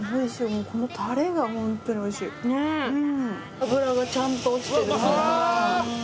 脂がちゃんと落ちてる。